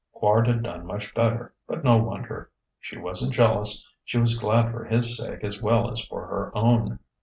Quard had done much better but no wonder! She wasn't jealous: she was glad for his sake as well as for her own.